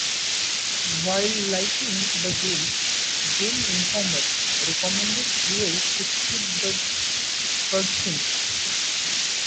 While liking the game, "Game Informer" recommended players to skip the cutscenes.